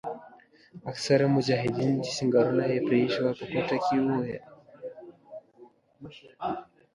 اکثره مجاهدین چې سنګرونه یې پریښي وو په کوټه کې وویل.